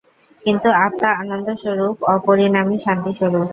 কিন্তু আত্মা আনন্দস্বরূপ, অপরিণামী, শান্তিস্বরূপ।